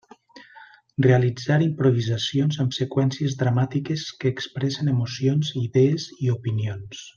Realitzar improvisacions amb seqüències dramàtiques que expressen emocions, idees i opinions.